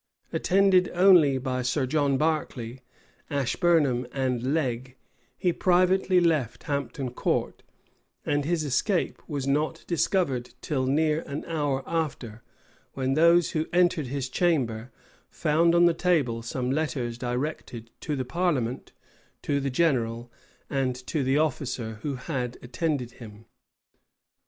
Attended only by Sir John Berkeley, Ashburnham, and Leg, he privately left Hampton court; and his escape was not discovered till near an hour after; when those who entered his chamber, found on the table some letters directed to the parliament, to the general, and to the officer who had attended him.